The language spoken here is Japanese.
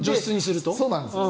そうなんです。